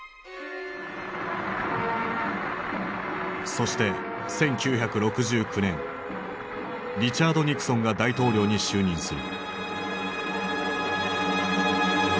そして１９６９年リチャード・ニクソンが大統領に就任する。